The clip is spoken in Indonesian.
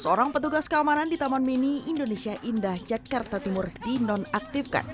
seorang petugas keamanan di taman mini indonesia indah jakarta timur dinonaktifkan